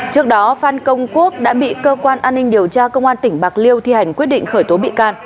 trước đó phan công quốc đã bị cơ quan an ninh điều tra công an tỉnh bạc liêu thi hành quyết định khởi tố bị can